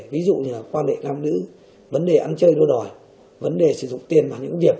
ví dụ như là quan hệ nam nữ vấn đề ăn chơi đua đòi vấn đề sử dụng tiền vào những việc